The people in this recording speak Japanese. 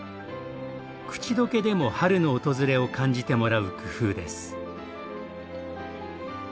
口溶けでも春の訪れを感じてもらう工夫です。